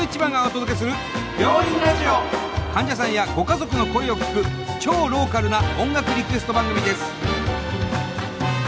患者さんやご家族の声を聞く超ローカルな音楽リクエスト番組です。